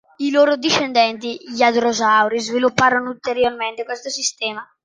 I loro discendenti, gli adrosauri, svilupparono ulteriormente questo sistema.